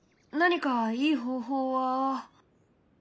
何かいい方法は。